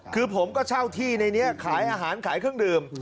คือผมก็เช่าที่ในนี้ขายอาหารขายเครื่องดื่ม